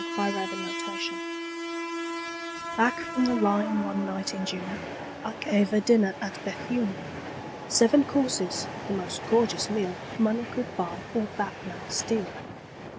Corporal Stare BACK from the line one night in June,I gave a dinner at Bethune—Seven courses, the most gorgeous mealMoney could buy or batman steal.